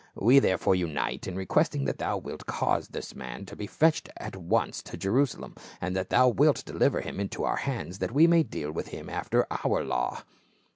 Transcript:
We therefore unite in requesting that thou wilt cause this man to be fetched at once to Jerusalem, and that thou wilt deliver him into our hands that we may deal with him after our law."